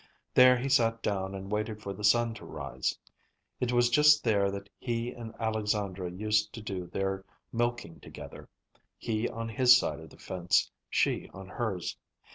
There he sat down and waited for the sun to rise. It was just there that he and Alexandra used to do their milking together, he on his side of the fence, she on hers.